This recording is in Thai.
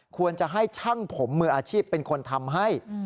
ควรจะให้ช่างผมมืออาชีพเป็นคนทำให้